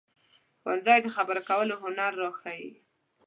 ښوونځی د خبرو کولو هنر راښيي